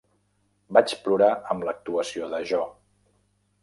Vaig plorar amb l'actuació de Jo.